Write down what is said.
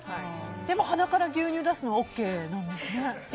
でも鼻から牛乳出すのはＯＫなんですね。